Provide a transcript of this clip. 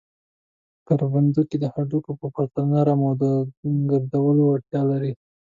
کرپندوکي د هډوکو په پرتله نرم او د کږېدلو وړتیا لري.